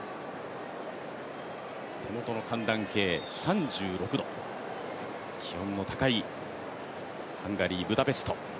手元の寒暖計、３６度、気温の高いハンガリー・ブダペスト。